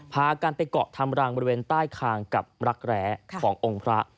พากันไปเกาะทำรังบริเวณใต้คางกับรักแร้ขององค์พระ